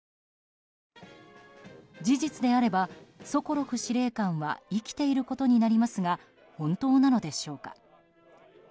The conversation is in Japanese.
事実であれば、ソコロフ司令官は生きていることになりますが本当なのでしょうか。